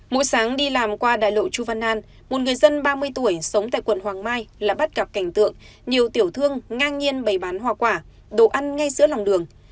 mỗi sáng đi làm qua đại lộ chu văn an một người dân ba mươi tuổi sống tại quận hoàng mai lại bắt gặp cảnh tượng nhiều tiểu thương ngang nhiên bày bán hoa quả đồ ăn ngay giữa lòng đường